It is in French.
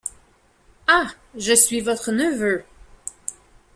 Ah! je suis votre neveu !